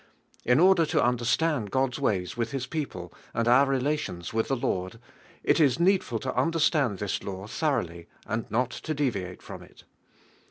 In order to understand God's ways with J I is people and our relations with the Lord, it is needful to understand this law thorough I j and not to deviate from it.